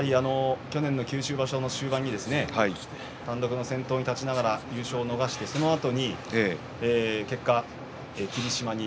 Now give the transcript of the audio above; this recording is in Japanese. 去年の九州場所、終盤に単独先頭に立ちながら優勝を逃して、そのあとに結果、霧島に。